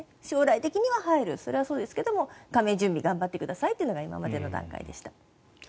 将来的には入るそれはそうですが加盟準備頑張ってくださいというのが今までの段階でした。